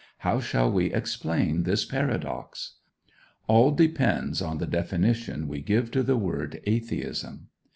How shall we explain this paradox? All depends on the definition we give to the word "atheism."